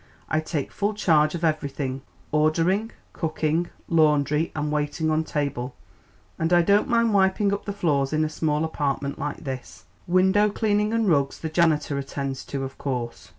I take full charge of everything ordering, cooking, laundry and waiting on table, and I don't mind wiping up the floors in a small apartment like this. Window cleaning and rugs the janitor attends to, of course."